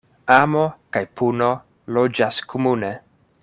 Amo kaj puno loĝas komune.